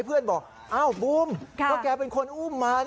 เพื่อนบอกอ้าวบูมก็แกเป็นคนอุ้มมา